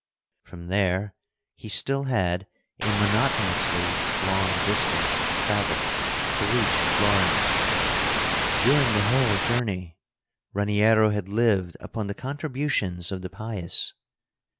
From there he still had a monotonously long distance to travel to reach Florence. During the whole journey Raniero had lived upon the contributions of the pious.